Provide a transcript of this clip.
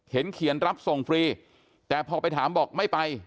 เขียนรับส่งฟรีแต่พอไปถามบอกไม่ไป